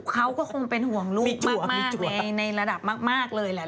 เขาก็คงเป็นห่วงลูกมากในระดับมากเลยแหละ